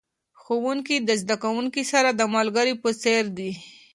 ښوونکي د زده کوونکو سره د ملګري په څیر دي.